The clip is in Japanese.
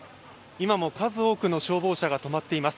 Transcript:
今も数多くの消防車が止まっています。